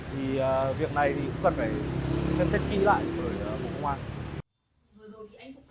thì việc này cũng cần phải xem xét kỹ lại với bộ công an